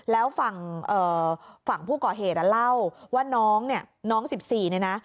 แล้วฝั่งผู้ก่อเหตุเล่าว่าน้อง๑๔นี่นะ